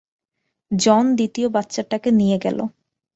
জন দ্বিতীয় বাচ্চাটাকে নিয়ে গেল।